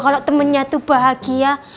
kalo temennya tuh bahagia